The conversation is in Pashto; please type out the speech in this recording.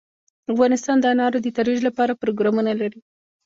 افغانستان د انار د ترویج لپاره پروګرامونه لري.